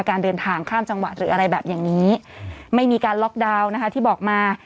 การเดินทางข้ามจังหวัดหรืออะไรแบบอย่างนี้ไม่มีการล็อกดาวน์นะคะที่บอกมา